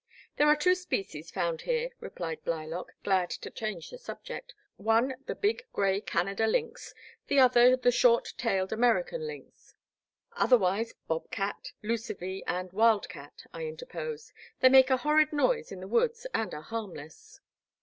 There are two species found here,*' replied Blylock, glad to change the subject, " one the big grey Canada lynx, the other the short tailed American lynx "Otherwise Bob cat, Ludvee, and wild cat," I interposed ; they make a horrid noise in the woods and are harmless."